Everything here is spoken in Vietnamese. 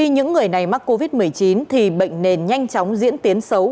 những người này mắc covid một mươi chín thì bệnh nền nhanh chóng diễn tiến xấu